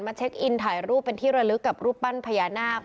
เช็คอินถ่ายรูปเป็นที่ระลึกกับรูปปั้นพญานาค